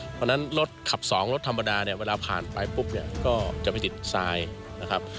เพราะฉะนั้นรถขับสองรถธรรมดาเนี่ยเวลาผ่านไปปุ๊บเนี่ยก็จะไปติดทรายนะครับ